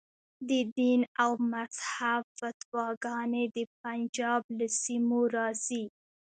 د دین او مذهب فتواګانې د پنجاب له سیمو راځي.